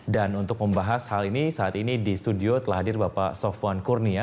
dan untuk membahas hal ini saat ini di studio telah hadir bapak sofwan kurnia